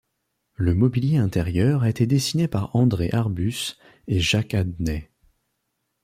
Le mobilier intérieur a été dessiné par André Arbus et Jacques Adnet.